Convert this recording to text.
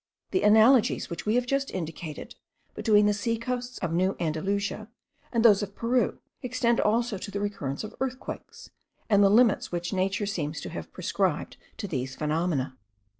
The analogies which we have just indicated, between the sea coasts of New Andalusia and those of Peru, extend also to the recurrence of earthquakes, and the limits which nature seems to have prescribed to these phenomena.